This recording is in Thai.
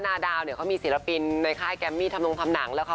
นาดาวเขามีศิลปินในค่ายแกมมี่ทำลงทำหนัง